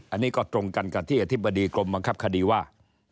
อันนี้ก็ตรงกันกับที่อธิบดีกรมบังคับคดีว่า